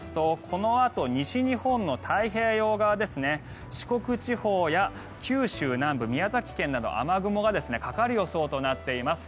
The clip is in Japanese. このあと西日本の太平洋側ですね四国地方や九州南部宮崎県など雨雲がかかる予想となっています。